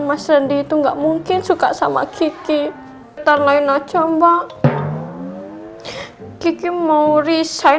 mas rendy itu nggak mungkin suka sama kiki tan lain aja mbak kiki mau resign